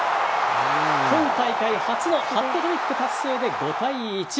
今大会初のハットトリック達成で５対１。